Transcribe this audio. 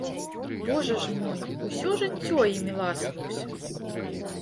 Божа ж мой, усё жыццё імі ласаваўся!